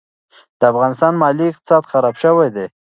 د افغانستان مالي اقتصاد خراب شوی دي.